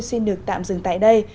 xin được tạm dừng tại đây